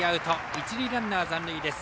一塁ランナー、残塁です。